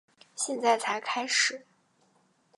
现在才开始